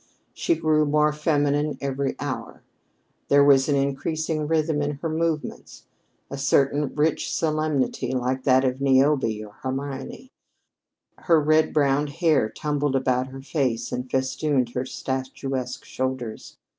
She grew more feminine every hour. There was an increasing rhythm in her movements a certain rich solemnity like that of Niobe or Hermione. Her red brown hair tumbled about her face and festooned her statuesque shoulders.